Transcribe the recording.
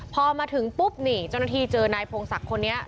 พอมาถึงปุ๊บนี่เจ้าหน้าที่เจอนายพงศักดิ์คนนี้